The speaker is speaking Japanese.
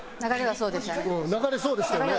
流れそうでしたよね？